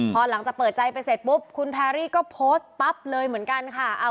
พอหลังจากเปิดใจไปเสร็จปุ๊บคุณแพรรี่ก็โพสต์ปั๊บเลยเหมือนกันค่ะ